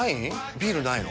ビールないの？